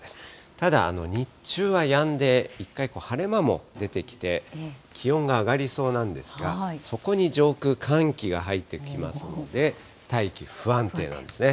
ただ、日中はやんで、一回晴れ間も出てきて、気温が上がりそうなんですが、そこに上空、寒気が入ってきますので、大気、不安定なんですね。